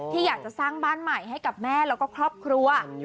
อยากจะสร้างบ้านใหม่ให้กับแม่แล้วก็ครอบครัว